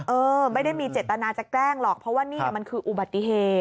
เออไม่ได้มีเจตนาจะแกล้งหรอกเพราะว่านี่มันคืออุบัติเหตุ